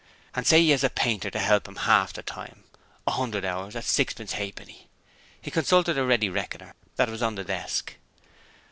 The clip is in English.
And say he has a painter to help him half the time. 100 hours at sixpence ha'penny.' He consulted a ready reckoner that was on the desk.